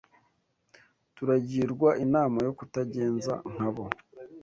turagirwa inama yo kutagenza nka bo